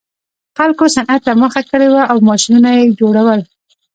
خلکو صنعت ته مخه کړې وه او ماشینونه یې جوړول